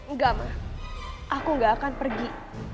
nggak ma aku gak akan pergi